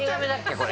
これ。